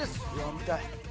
見たい。